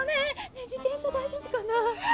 ねえ自転車大丈夫かな？